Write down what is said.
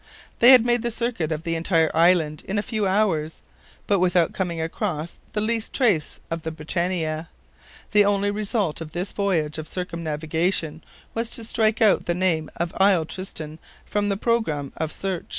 They had made the circuit of the entire island in a few hours, but without coming across the least trace of the BRITANNIA. The only result of this voyage of circumnavigation was to strike out the name of Isle Tristan from the program of search.